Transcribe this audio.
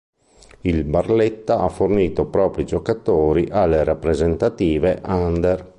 Il Barletta ha fornito propri giocatori alle rappresentative under.